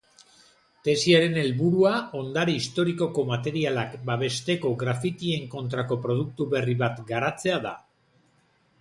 Tesiaren helburua ondare historikoko materialak babesteko graffitien kontrako produktu berri bat garatzea da.